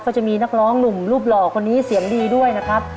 จะมีนักร้องหนุ่มรูปหล่อคนนี้เสียงดีด้วยนะครับ